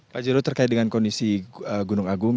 pak jero terkait dengan kondisi gunung agung